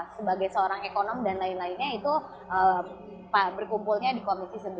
sebagai seorang ekonom dan lain lainnya itu berkumpulnya di komisi sebelas